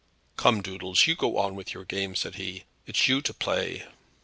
"Come, Doodles, you go on with your game," said he; "it's you to play."